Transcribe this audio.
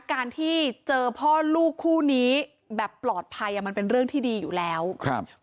การที่เจอพ่อลูกคู่นี้แบบปลอดภัยอ่ะมันเป็นเรื่องที่ดีอยู่แล้วครับ